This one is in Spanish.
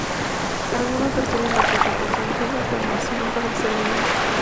Algunos requieren la presentación como condición para ser miembro.